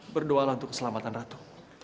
berdoa untuk keselamatan ratu